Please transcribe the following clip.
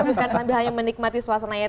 bukan sambil hanya menikmati suasananya